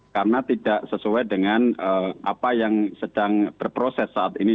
karena tidak sesuai dengan apa yang sedang berproses saat ini